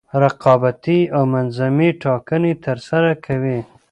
رقابتي او منظمې ټاکنې ترسره کوي.